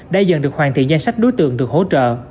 đã dần được hoàn thiện danh sách đối tượng được hỗ trợ